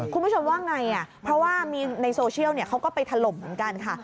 คุณผู้ชมว่าไงเพราะว่ามีในโซเชียลเขาก็ไปถล่มเหมือนกันค่ะ